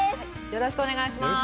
よろしくお願いします